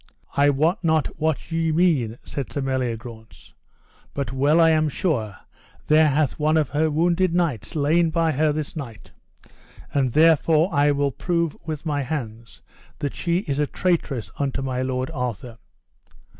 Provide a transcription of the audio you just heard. I wot not what ye mean, said Sir Meliagrance, but well I am sure there hath one of her wounded knights lain by her this night, and therefore I will prove with my hands that she is a traitress unto my lord Arthur.